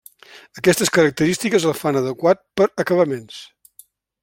Aquestes característiques el fan adequat per acabaments.